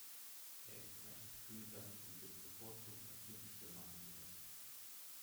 Er ist Rechtsfüßer und wird bevorzugt als Mittelstürmer eingesetzt.